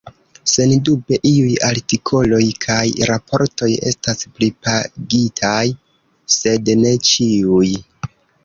Sendube iuj artikoloj kaj raportoj estas pripagitaj, sed ne ĉiuj.